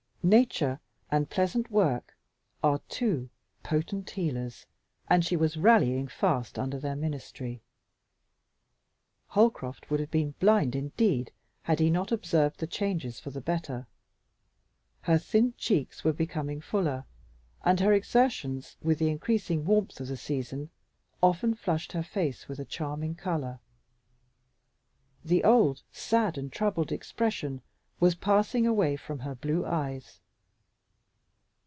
Nature and pleasant work are two potent healers, and she was rallying fast under their ministry. Holcroft would have been blind indeed had he not observed changes for the better. Her thin cheeks were becoming fuller, and her exertions, with the increasing warmth of the season, often flushed her face with a charming color. The old sad and troubled expression was passing away from her blue eyes.